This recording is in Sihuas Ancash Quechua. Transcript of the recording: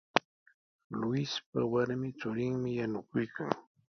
Luispa warmi churinmi yanukuykan.